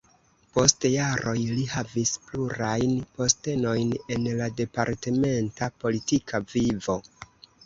Post jaroj li havis plurajn postenojn en la departementa politika vivo.